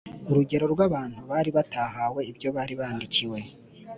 Urugero rw abantu bari batahawe ibyo bari bandikiwe